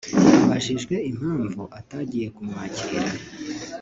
Abajijwe impamvu atagiye kumwakira